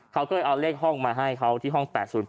เขาก็เลยเอาเลขห้องมาให้เขาที่ห้อง๘๐๘